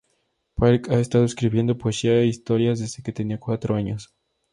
Park ha estado escribiendo poesía e historias desde que tenía cuatro años.